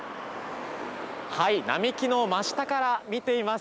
並木の真下から、見ています。